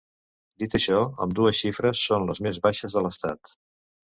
Dit això, ambdues xifres són les més baixes de l'estat.